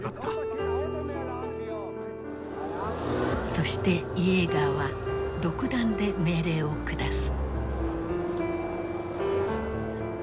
そしてイエーガーは独断で命令を下す。